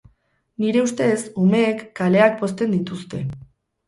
Nire ustez, umeek kaleak pozten dituzte.